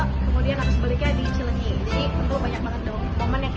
kemudian aku sebaliknya di cilegi